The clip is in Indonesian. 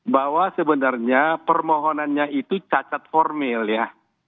bahwa sebenarnya permohonannya itu cacat formil ya